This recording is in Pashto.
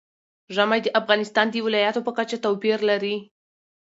ژمی د افغانستان د ولایاتو په کچه توپیر لري.